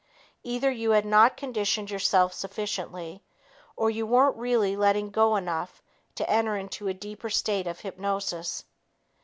Either you had not conditioned yourself sufficiently, or you weren't really "letting go" enough to enter into a deeper state of hypnosis.